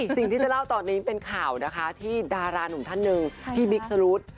สิ่งที่จะเล่าตอนนี้เป็นข่าวนะคะที่ดารานุ่มท่านหนึ่งพี่บิ๊กสรุธ